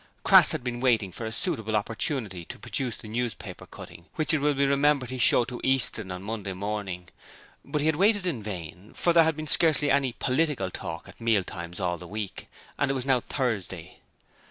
Crass had been waiting for a suitable opportunity to produce the newspaper cutting which it will be remembered he showed to Easton on Monday morning, but he had waited in vain, for there had been scarcely any 'political' talk at meal times all the week, and it was now Thursday.